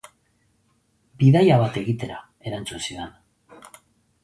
Bidaia bat egitera, erantzun zidan.